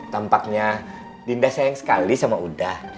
tampaknya dinda sayang sekali sama udah